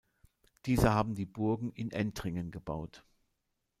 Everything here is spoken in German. Diese haben die Burgen in Entringen gebaut.